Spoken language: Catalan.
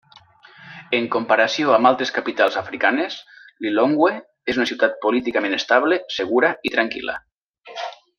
En comparació amb altres capitals africanes, Lilongwe és una ciutat políticament estable, segura i tranquil·la.